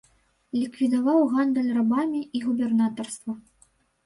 Ліквідаваў гандаль рабамі і губернатарства.